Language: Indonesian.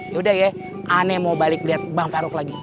yaudah ya aneh mau balik liat bang farouk lagi